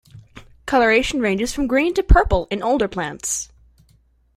Colouration ranges from green to purple in older plants.